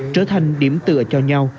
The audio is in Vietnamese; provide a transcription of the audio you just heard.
trở thành điểm tựa cho nhau